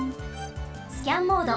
スキャンモード。